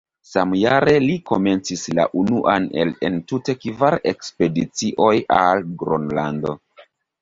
Samjare li komencis la unuan el entute kvar ekspedicioj al Gronlando.